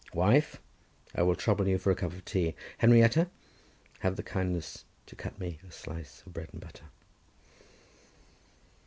Wife! I will trouble you for a cup of tea. Henrietta! have the kindness to cut me a slice of bread and butter."